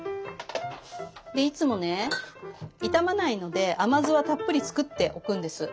でいつもね傷まないので甘酢はたっぷり作っておくんです。